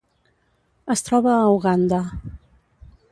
Es troba a Uganda.